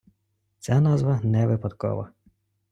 Ця назва не випадкова.